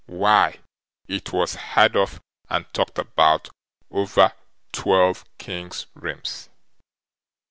Why, it was heard of and talked about over twelve kings' realms.